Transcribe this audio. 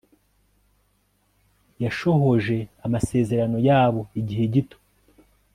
yashohoje amasezerano yabo igihe gito